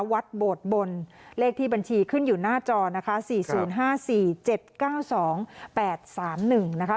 วัดโบดบนเลขที่บัญชีขึ้นอยู่หน้าจอนะคะ๔๐๕๔๗๙๒๘๓๑นะคะ